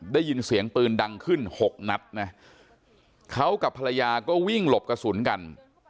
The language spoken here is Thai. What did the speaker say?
ได้ยินเสียงปืนดังขึ้นหกนัดนะเขากับภรรยาก็วิ่งหลบกระสุนกัน